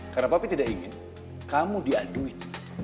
karena papi tidak ingin kamu diaduin